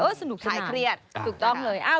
เออสนุกสนามถ่ายเครียดถูกต้องเลยอ้าว